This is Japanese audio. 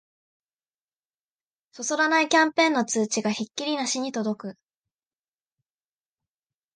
そそらないキャンペーンの通知がひっきりなしに届く